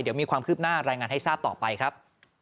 เดี๋ยวมีความคืบหน้ารายงานให้ทราบต่อไปครับ